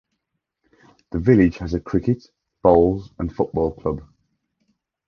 The village has a cricket, bowls and football club.